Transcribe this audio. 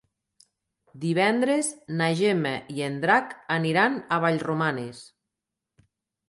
Divendres na Gemma i en Drac aniran a Vallromanes.